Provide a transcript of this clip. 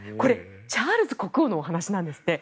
チャールズ国王のお話なんですって。